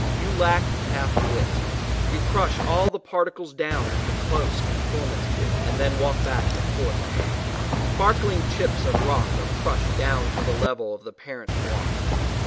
You lack half wit. You crush all the particles down into close conformity, and then walk back and forth on them. Sparkling chips of rock are crushed down to the level of the parent block.